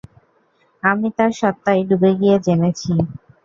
আমি তার সত্তায় ডুবে গিয়ে জেনেছি।